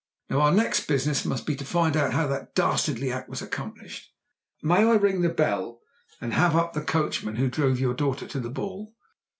Now our next business must be to find out how that dastardly act was accomplished. May I ring the bell and have up the coachman who drove your daughter to the ball?"